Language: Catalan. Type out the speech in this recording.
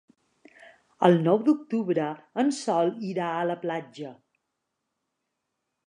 El nou d'octubre en Sol irà a la platja.